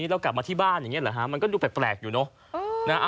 ถ้าเดี๋ยวกลับมาที่บ้านอย่างเงี้ยเหล่ะฮะมันก็ดูแปลกอยู่เนอะเออ